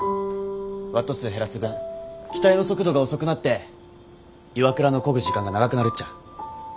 ワット数減らす分機体の速度が遅くなって岩倉のこぐ時間が長くなるっちゃ。